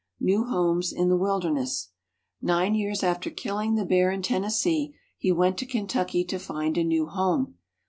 New Homes in the Wilderness Nine years after killing the bear in Tennessee he went to Kentucky to find a new home.